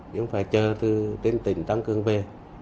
chúng tôi phải chờ từ tỉnh tỉnh tăng cường về